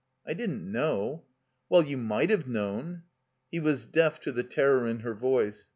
''I didn't know." "Well — you might have known." He was deaf to the terror in her voice.